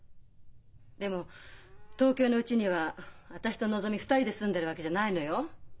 でも東京のうちには私とのぞみ２人で住んでるわけじゃないのよ。